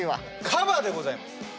カバでございます。